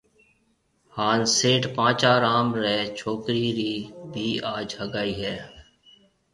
هانَ سيٺ پانچا رام ريَ ڇوڪرِي رِي ڀِي آج هگائي هيَ۔